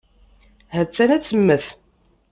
Ha-tt-an ad temmet.